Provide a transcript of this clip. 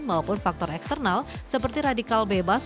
maupun faktor eksternal seperti radikal bebas